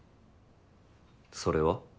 それは？